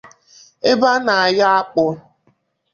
ebe a na-ayọ akpụ